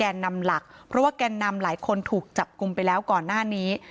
การชุมนุมไม่ได้มีแกนนำหลักเพราะว่าแกนนำหลายคนถูกจับกลุ่มไปแล้วก่อนหน้านี้